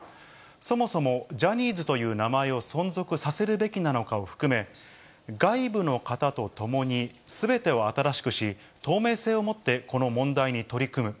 そもそもジャニーズという名前を存続させるべきなのかを含め、外部の方と共にすべてを新しくし、透明性を持ってこの問題に取り組む。